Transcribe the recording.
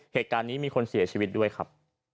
เหตุการณ์นี้มีคนเสียชีวิตด้วยครับ